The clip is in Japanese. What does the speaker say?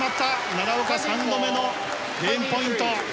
奈良岡３度目のゲームポイント。